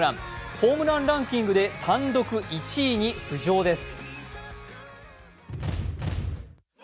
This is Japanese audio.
ホームランランキングで単独１位に浮上です。